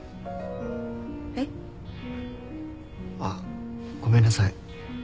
えっ？あっごめんなさい。